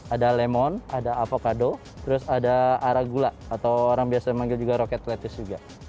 ada lemon ada avocado terus ada arak gula atau orang biasa memanggil juga rocket lettuce juga